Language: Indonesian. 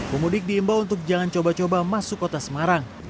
pemudik diimbau untuk jangan coba coba masuk kota semarang